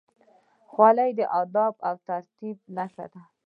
خولۍ د ادب او تربیې نښه ده.